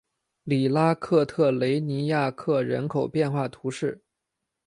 里拉克特雷尼亚克人口变化图示